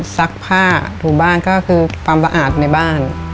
ซักผ้าถูบ้านก็คือความสะอาดในบ้าน